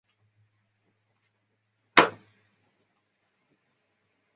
东北长鞘当归是伞形科当归属长鞘当归的变种。